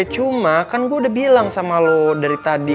cuma kan gue udah bilang sama lo dari tadi